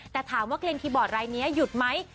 แต่ถามว่าเกลียนคีย์บอร์ดรายนี้หยุดไหม